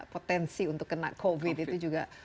potensi untuk kena covid itu juga